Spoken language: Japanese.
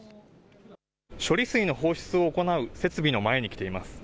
処理水の放出を行う設備の前に来ています。